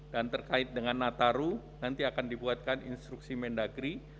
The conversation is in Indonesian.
dan terkait dengan nataru nanti akan dibuatkan instruksi mendagri